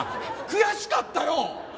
悔しかったよ。